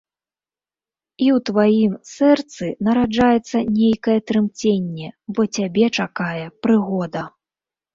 І ў тваім сэрцы нараджаецца нейкае трымценне, бо цябе чакае прыгода.